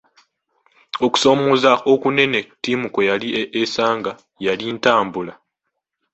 Okusoomooza okunene ttiimu kwe yali esanga, yali ntambula.